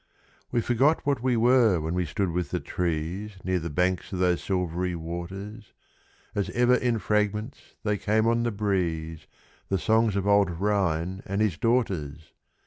We forgot what we were when we stood with the trees Near the banks of those silvery waters; As ever in fragments they came on the breeze, The songs of old Rhine and his daughters!